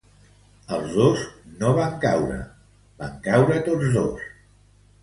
Els dos no van caure, van caure tots dos